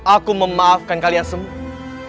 aku memaafkan kalian semua